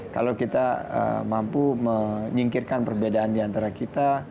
kalau kita mampu menyingkirkan perbedaan diantara kita